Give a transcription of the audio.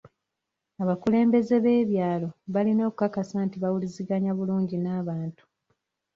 Abakulembeze b'ebyalo balina okukakasa nti bawuliziganya bulungi n'abantu.